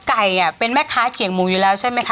ไก่เป็นแม่ค้าเขียงหมูอยู่แล้วใช่ไหมคะ